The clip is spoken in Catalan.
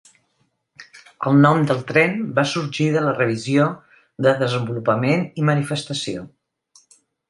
El nom del tren va sorgir de la Revisió de desenvolupament i manifestació.